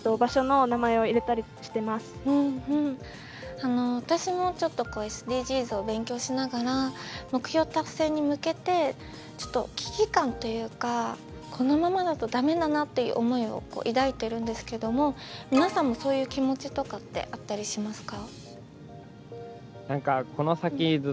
あの私もちょっとＳＤＧｓを勉強しながら目標達成に向けてちょっと危機感というかこのままだと駄目だなっていう思いを抱いてるんですけども皆さんもそういう気持ちとかってあったりしますか？